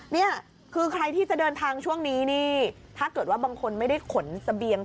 นี่คือใครที่จะเดินทางช่วงนี้นี่ถ้าเกิดว่าบางคนไม่ได้ขนเสบียง